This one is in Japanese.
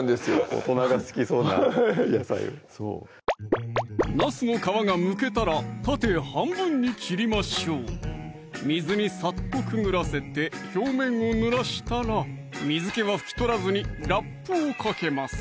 大人が好きそうな野菜なすの皮がむけたら縦半分に切りましょう水にさっとくぐらせて表面をぬらしたら水気は拭き取らずにラップをかけます